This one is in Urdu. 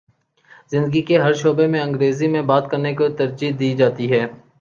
زندگی کے ہر شعبے میں انگریزی میں بات کر نے کو ترجیح دی جاتی ہے